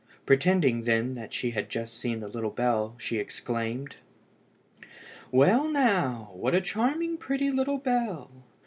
Pretending then that she had just seen the little bell, she exclaimed "Well now, what a charming pretty little bell!